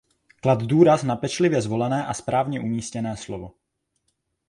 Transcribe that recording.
Klad důraz na pečlivě zvolené a správně umístěné slovo.